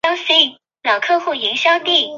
现行党章中并没有提到民主集权制。